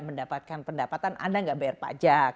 mendapatkan pendapatan anda nggak bayar pajak